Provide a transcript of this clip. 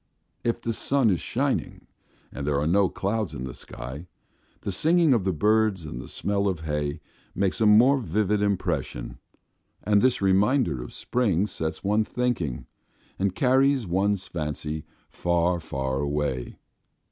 If the sun is shining, and there are no clouds in the sky, the singing of the birds and the smell of hay make a more vivid impression, and this reminder of spring sets one thinking and carries one's fancy far, far away.